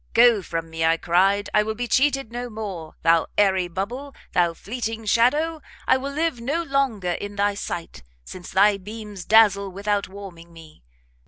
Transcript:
Go from me, I cried, I will be cheated no more! thou airy bubble! thou fleeting shadow! I will live no longer in thy sight, since thy beams dazzle without warming me!